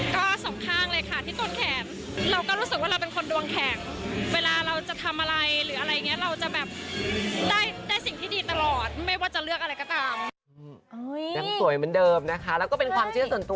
ก็สองข้างเลยค่ะที่ต้นแขนเราก็รู้สึกว่าเราเป็นคนดวงแขนเวลาเราจะทำอะไรเราจะได้สิ่งที่ดีตลอดไม่ว่าจะเลือกอะไรก็ตาม